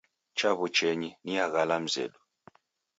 Chaw'uchenyi, niaghala mzedu